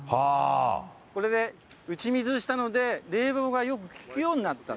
これで打ち水したので、冷房がよく利くようになった。